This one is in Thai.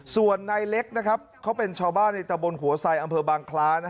ส่วนนายเล็กนะครับเขาเป็นชาวบ้านในตะบนหัวไซดอำเภอบางคล้า